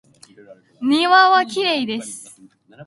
庭はきれいです。